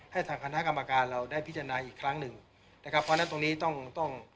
ทางคณะกรรมการเราได้พิจารณาอีกครั้งหนึ่งนะครับเพราะฉะนั้นตรงนี้ต้องต้อง